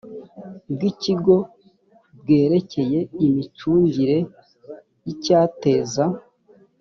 bw ikigo bwerekeye imicungire y icyateza